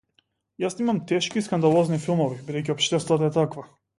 Јас снимам тешки и скандалозни филмови бидејќи општеството е такво.